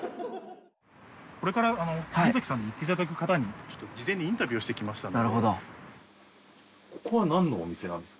これから国崎さんに行っていただく方に、ちょっと、事前にインタビューしてきましたので。